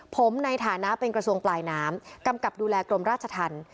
ผมในฐานะเป็นกระทรวงปลายน้ำกำกับดูแลกรมราชธรรม